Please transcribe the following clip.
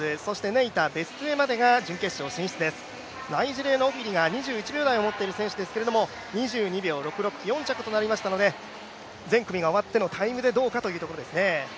ナイジェリアのオフィリが２１秒台を持っている選手ですけれども２２秒６６、４着となりましたので、全組が終わってのタイムでどうかというところですね。